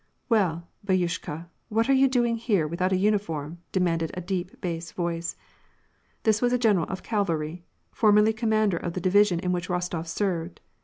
" Well, bdtyushka, what are you doing here without a uni form ?" demanded a deep bass voice. This was a general of cavalry, formerly commander of the division in which Rostof served.